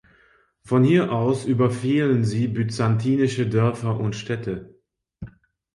Von hier aus überfielen sie byzantinische Dörfer und Städte.